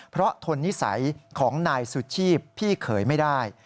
เพราะทนนิสัยของนายสุชีพพี่เขยไม่ได้